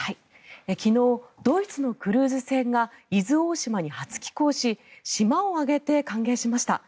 昨日ドイツのクルーズ船が伊豆大島に初寄港し島を挙げて歓迎しました。